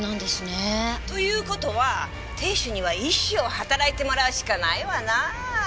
という事は亭主には一生働いてもらうしかないわなぁ。